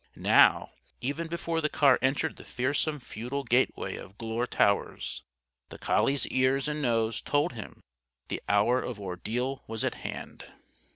Now, even before the car entered the fearsome feudal gateway of Glure Towers, the collie's ears and nose told him the hour of ordeal was at hand.